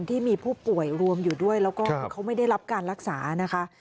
ที่มีผู้ป่วยรวมอยู่ด้วยแล้วก็คือเขาไม่ได้รับการรักษานะคะ